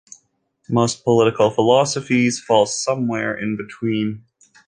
Most political philosophies fall somewhere in between.